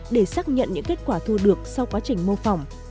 để xác nhận những kết quả thu được sau quá trình mô phỏng